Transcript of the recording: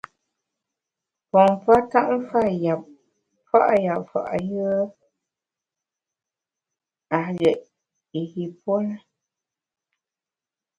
Pompa ntap mfa’ yap fa’ yùe a ghét yûpuo ne.